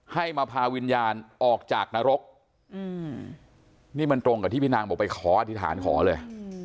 ให้มาพาวิญญาณออกจากนรกนี่มันตรงกับที่พี่นางบอกไปขออธิษฐานขอเลย